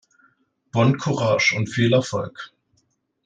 Bon courage und viel Erfolg!